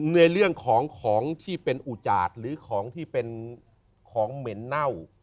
ในเรื่องของของที่เป็นอุจาดหรือของที่เป็นของเหม็นเน่า